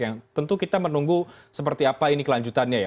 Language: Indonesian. yang tentu kita menunggu seperti apa ini kelanjutannya ya